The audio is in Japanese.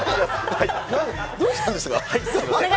どうしたんですか？